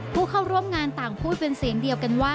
ผู้เข้าร่วมงานต่างพูดเป็นเสียงเดียวกันว่า